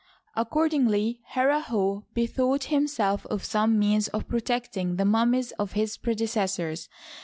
Accordingly, Herihor bethought himself of some means of protecting the mum mies of his predecessors.